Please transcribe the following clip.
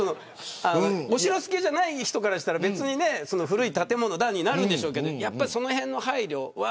お城好きじゃない人からしたら古い建物だ、になるんでしょうけどそのへんの配慮は。